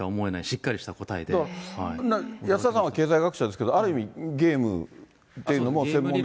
しっかり安田さんは経済学者ですけど、ある意味、ゲームっていうのも、専門ですけど。